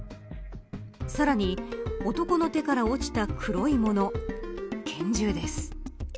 さらに男の手から落ちた黒いもの拳銃です。